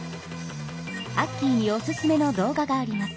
アッキーにおすすめの動画があります。